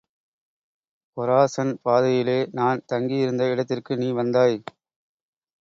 கொராசன் பாதையிலே, நான் தங்கியிருந்த இடத்திற்கு நீ வந்தாய்!